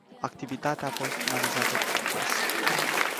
Activitatea a fost finalizată cu succes.